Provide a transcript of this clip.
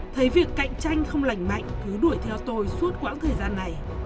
thấy việc cạnh tranh không lành mạnh cứ đuổi theo tôi suốt quãng thời gian này